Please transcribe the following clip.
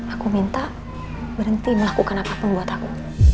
aku minta berhenti melakukan apapun buat aku